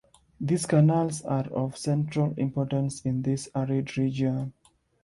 These canals are of central importance in this arid region.